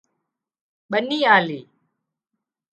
ٻنِي آلي